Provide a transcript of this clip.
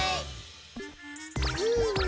いいね！